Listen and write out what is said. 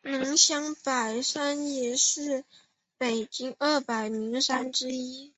能乡白山也是日本二百名山之一。